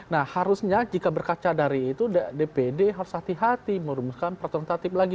nah harusnya jika berkaca dari itu dpd harus hati hati merumuskan peraturan tatip lagi